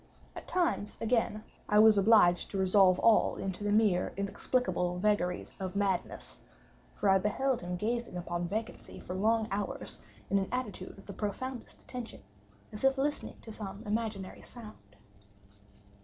At times, again, I was obliged to resolve all into the mere inexplicable vagaries of madness, for I beheld him gazing upon vacancy for long hours, in an attitude of the profoundest attention, as if listening to some imaginary sound.